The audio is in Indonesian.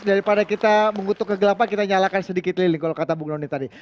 daripada kita mengutuk kegelapan kita nyalakan sedikit keliling kalau kata bung doni tadi